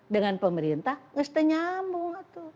dengan pemerintah harus menyambung